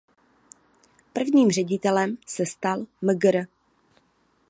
První ředitelem se stal mgr.